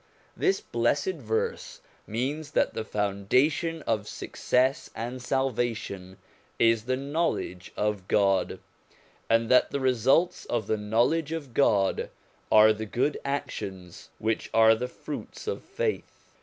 This blessed verse means that the founda tion of success and salvation is the knowledge of God, and that the results of the knowledge of God are the good actions which are the fruits of faith.